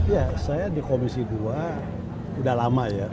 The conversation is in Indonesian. ya saya di komisi dua sudah lama ya